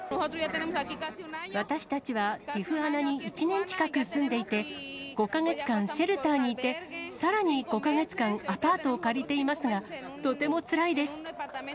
私たちはティフアナに１年近く住んでいて、５か月間シェルターにいて、さらに５か月間、アパートを借りていますが、とてもつらいです。